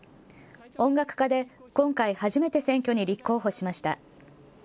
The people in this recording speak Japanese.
音楽家で、今回、初めて選挙に立候補しました。